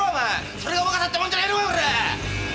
それが若さってもんじゃねえのかこら！